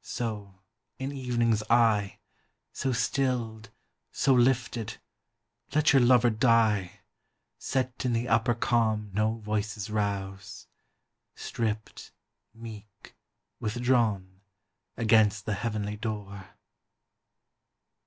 so, in evening's eye, So stilled, so lifted, let your lover die, Set in the upper calm no voices rouse, Stript, meek, withdrawn, against the heavenly door.